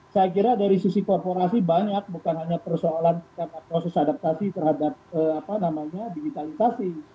saya kira dari sisi korporasi banyak bukan hanya persoalan karena proses adaptasi terhadap digitalisasi